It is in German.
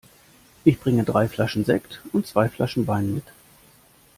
Ich bringe drei Flaschen Sekt und zwei Flaschen Wein mit.